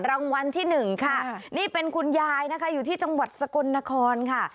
รางวัลที่หนึ่งค่ะนี่เป็นคุณยายนะคะอยู่ที่จังหวัดสกลนครค่ะ